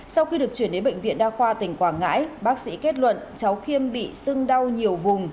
sau khi được chuyển đến bệnh viện đa khoa tỉnh quảng ngãi bác sĩ kết luận cháu khiêm bị sưng đau nhiều vùng